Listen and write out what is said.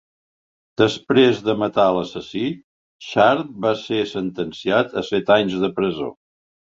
Després de matar l"assassí, Sharp va ser sentenciat a set anys de presó.